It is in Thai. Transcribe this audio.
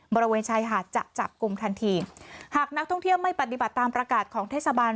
บริเวณชายหาดจะจับกลุ่มทันทีหากนักท่องเที่ยวไม่ปฏิบัติตามประกาศของเทศบาล